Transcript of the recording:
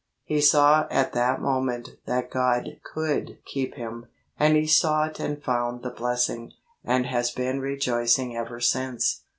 He saw at that moment that God could keep him, and he sought and found the blessing, and has been rejoicing ever since.